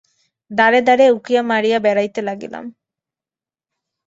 দ্বারে দ্বারে উঁকি মারিয়া বেড়াইতে লাগিলাম।